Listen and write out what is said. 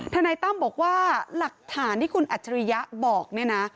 นายตั้มบอกว่าหลักฐานที่คุณอัจฉริยะบอกเนี่ยนะ